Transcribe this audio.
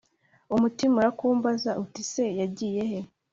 umutima urakumbaza uti ese yagiyehe